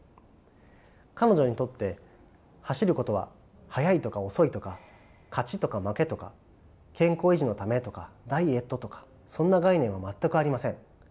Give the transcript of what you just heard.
彼女にとって走ることは速いとか遅いとか勝ちとか負けとか健康維持のためとかダイエットとかそんな概念は全くありません。